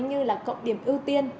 như là cộng điểm ưu tiên